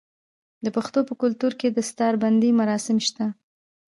د پښتنو په کلتور کې د دستار بندی مراسم شته.